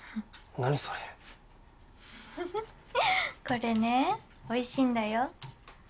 これねおいしいんだよ。